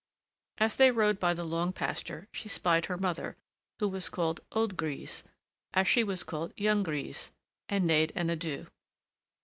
As they rode by the long pasture, she spied her mother who was called Old Grise, as she was called Young Grise and neighed an adieu.